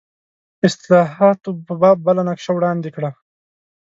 اصلاحاتو په باب بله نقشه وړاندې کړه.